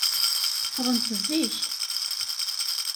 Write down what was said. Ffɣent zik.